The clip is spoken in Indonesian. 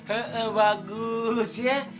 jangan lupa el hurt dia